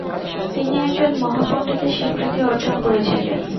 তিনি একজন মহাপণ্ডিতের স্বীকৃতি অর্জন করেছিলেন।